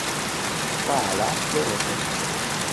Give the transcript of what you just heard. Paál László unokaöccse.